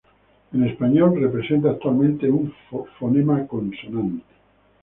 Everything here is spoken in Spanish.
En español representa usualmente un fonema consonante.